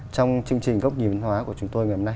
trong chương trình gốc nhìn hóa của chúng tôi ngày hôm nay